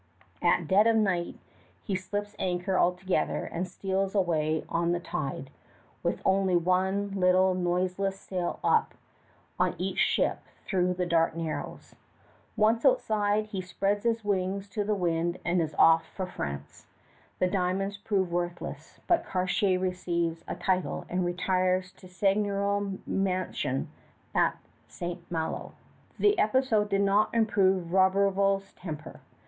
At dead of night he slips anchor altogether and steals away on the tide, with only one little noiseless sail up on each ship through the dark Narrows. Once outside, he spreads his wings to the wind and is off for France. The diamonds prove worthless, but Cartier receives a title and retires to a seigneurial mansion at St. Malo. The episode did not improve Roberval's temper.